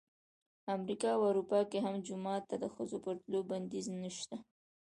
امریکا او اروپا کې هم جومات ته د ښځو پر تلو بندیز نه شته.